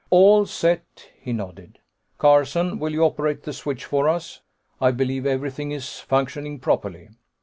"All set," he nodded. "Carson, will you operate the switch for us? I believe everything is functioning properly."